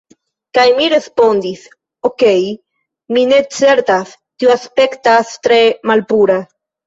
Kaj mi respondis, "Okej' mi ne certas... tio aspektas tre malpura..."